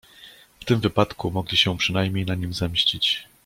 "W tym wypadku mogli się przynajmniej na nim zemścić."